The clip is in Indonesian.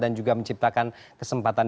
dan juga menciptakan kesempatan